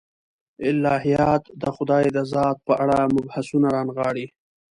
الهیات د خدای د ذات په اړه مبحثونه رانغاړي.